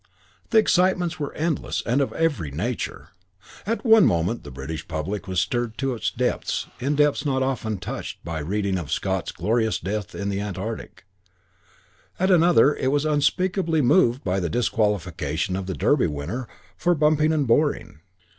The excitements were endless and of every nature. At one moment the British Public was stirred to its depths in depths not often touched (in 1913) by reading of Scott's glorious death in the Antarctic; at another it was unspeakably moved by the disqualification of the Derby winner for bumping and boring.